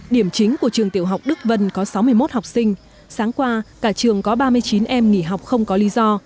điểm chính của trường tiểu học đức vân có sáu mươi một học sinh sáng qua cả trường có ba mươi chín em nghỉ học không có lý do